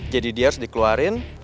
jadi dia harus dikeluarin